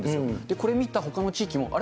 これ見たほかの地域も、あれ？